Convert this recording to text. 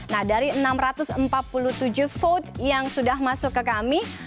nah dari enam ratus empat puluh tujuh vote yang sudah masuk ke kami